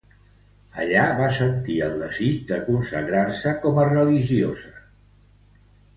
Allà va sentir el desig de consagrar-se com a religiosa.